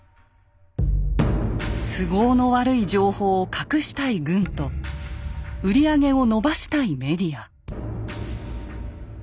都合の悪い情報を隠したい軍と売り上げを伸ばしたいメディア。